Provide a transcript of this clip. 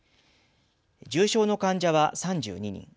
重症の患者は３２人。